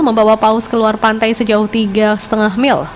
membawa paus keluar pantai sejauh tiga lima mil